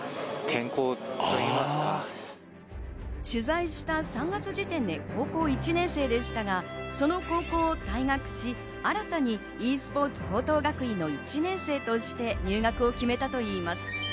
取材した３月時点で高校１年生でしたが、その高校を退学し、新たにｅスポーツ高等学院の１年生として入学を決めたといいます。